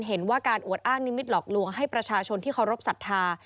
เห็นว่าการอวดอ้างนิมิตหลอกลวงให้ประชาชนที่เคารพสัทธา